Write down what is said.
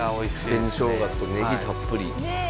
紅しょうがとネギたっぷりねえ